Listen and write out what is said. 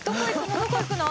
どこ行くの？